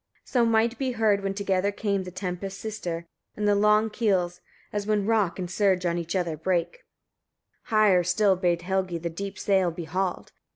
28. So might be heard, when together came the tempest's sister and the long keels, as when rock and surge on each other break. 29. Higher still bade Helgi the deep sail be hauled.